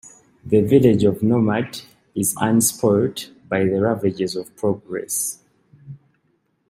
The Village of nomad is un-spoilt by the ravages of progress.